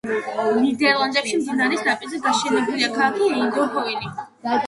ნიდერლანდებში მდინარის ნაპირზე გაშენებულია ქალაქი ეინდჰოვენი.